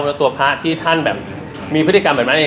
แล้วตัวพระที่ท่านแบบมีพฤติกรรมแบบนั้น